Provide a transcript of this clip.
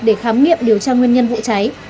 để khám nghiệm điều tra nguyên nhân vụ cháy